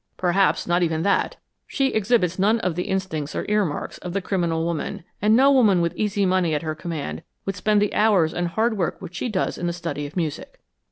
Perhaps not even that. She exhibits none of the instincts or earmarks of the criminal woman, and no woman with easy money at her command would spend the hours and hard work which she does in the study of music.